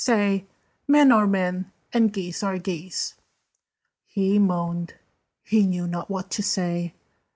Say 'Men are Men, and Geese are Geese.'" He moaned: he knew not what to say.